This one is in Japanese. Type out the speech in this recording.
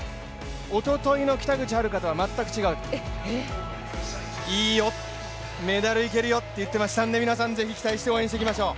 おとといの北口榛花とは全く違う、いいよ、メダルいけるよって言っていましたので皆さん、ぜひ期待して応援していきましょう。